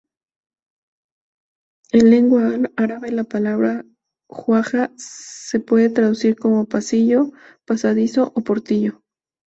En lengua árabe la palabra jauja se puede traducir como pasillo, pasadizo o portillo.